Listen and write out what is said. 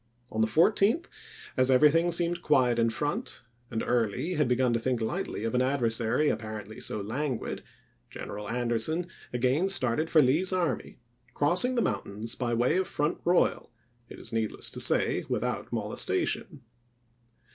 On the sept., 1864. 14th, as everything seemed quiet in front, and Early had begun to think lightly of an adversary apparently so languid, General Anderson again started for Lee's army, crossing the mountains by way of Front Royal, it is needless to say, without molestation.